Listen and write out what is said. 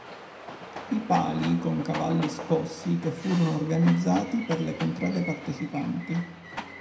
I Palii con cavalli "scossi" che furono organizzati e le contrade partecipanti.